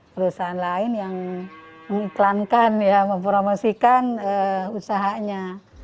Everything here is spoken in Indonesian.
perusahaan lain yang mengiklankan ya mempromosikan usahanya